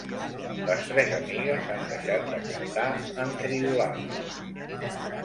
Les tres amigues han deixat de cantar, enriolades.